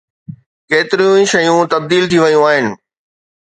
ڪيتريون ئي شيون تبديل ٿي ويون آهن.